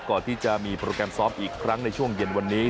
ก่อนที่จะมีโปรแกรมซ้อมอีกครั้งในช่วงเย็นวันนี้